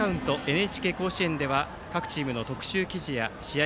「ＮＨＫ甲子園」では各チームの特集記事や試合